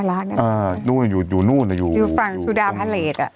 เอ่อนั่นเหรอน่ะเอออยู่อยู่นู่นอยู่อยู่ซูดาเผาลิสอะ